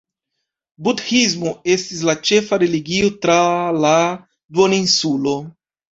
Budhismo estis la ĉefa religio tra la duoninsulo.